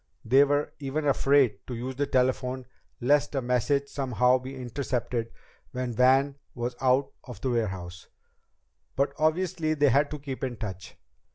They were even afraid to use the telephone, lest a message somehow be intercepted when Van was out of the warehouse. But obviously they had to keep in touch.